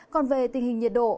còn về tình hình nhiệt độ